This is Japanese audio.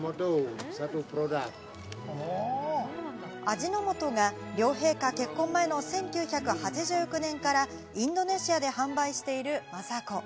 味の素が両陛下結婚前の１９８９年からインドネシアで販売している「Ｍａｓａｋｏ」。